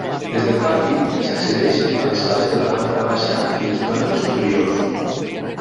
Des del pati s'accedeix a les sales de la planta baixa i les plantes superiors.